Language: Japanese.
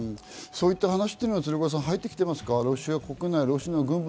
そういった話は入ってきていますか。